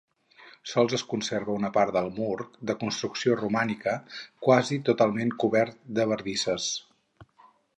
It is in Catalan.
Sols es conserva una part del mur, de construcció romànica, quasi totalment cobert de bardisses.